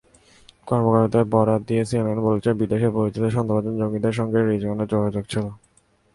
কর্মকর্তাদের বরাত দিয়ে সিএনএন বলছে, বিদেশে পরিচিত সন্দেহভাজন জঙ্গিদের সঙ্গে রিজওয়ানের যোগাযোগ ছিল।